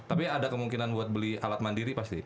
tapi ada kemungkinan buat beli alat mandiri pasti